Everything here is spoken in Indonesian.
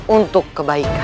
untuk rangga sokha